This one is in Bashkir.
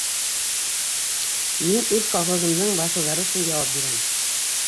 Мин үҙ колхозымдың баҫыуҙары өсөн яуап бирәм!